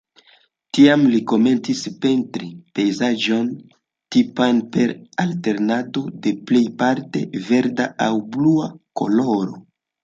Tiam li komencis pentri pejzaĝojn, tipajn per alternado de plejparte verda aŭ blua koloro.